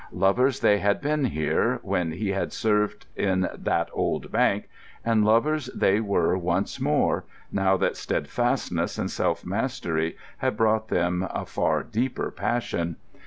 Lovers they had been here, when he had served in "that old bank"; and lovers they were once more, now that steadfastness and self mastery had brought them a far deeper passion.